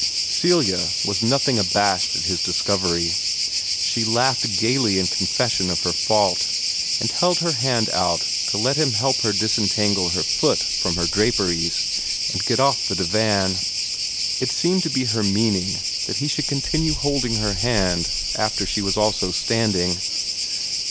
Celia was nothing abashed at his discovery. She laughed gayly in confession of her fault, and held her hand out to let him help her disentangle her foot from her draperies, and get off the divan. It seemed to be her meaning that he should continue holding her hand after she was also standing.